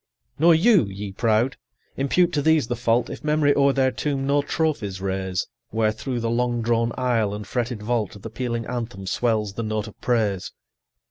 Nor you, ye proud, impute to these the fault, If Memory o'er their tomb no trophies raise; Where, through the long drawn aisle and fretted vault, The pealing anthem swells the note of praise.